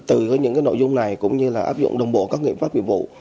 từ những nội dung này cũng như áp dụng đồng bộ các nghiệp pháp viện vụ